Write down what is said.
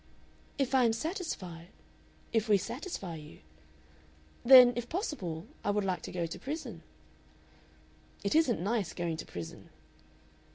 "If I am satisfied " "If we satisfy you?" "Then, if possible, I would like to go to prison." "It isn't nice going to prison."